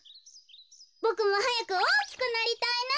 ボクもはやくおおきくなりたいな。